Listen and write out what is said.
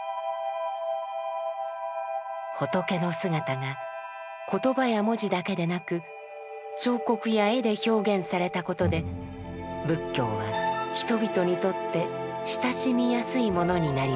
仏の姿が言葉や文字だけでなく彫刻や絵で表現されたことで仏教は人々にとって親しみやすいものになりました。